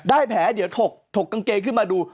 แผลเดี๋ยวถกกางเกงขึ้นมาดู